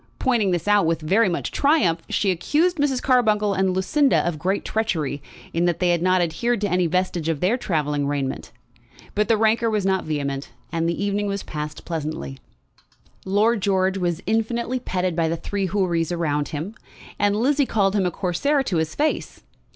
Pointing this out with much triumph, she accused Mrs. Carbuncle and Lucinda of great treachery, in that they had not adhered to any vestige of their travelling raiment. But the rancour was not vehement, and the evening was passed pleasantly. Lord George was infinitely petted by the three Houris around him, and Lizzie called him a Corsair to his face.